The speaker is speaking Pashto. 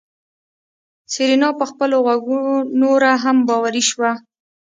سېرېنا په خپلو غوږو نوره هم باوري شوه.